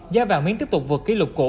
giá vàng miếng tiếp tục vượt kỷ lục cũ